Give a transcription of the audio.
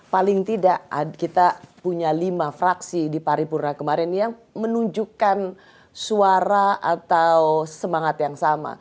paling tidak kita punya lima fraksi di paripurna kemarin yang menunjukkan suara atau semangat yang sama